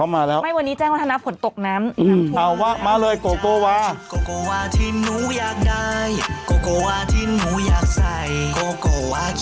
ไม่วันนี้แจ้งว่าถนนาผลตกน้ำถั่ว